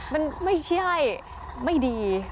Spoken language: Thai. มันไม่ใช่ไม่ดี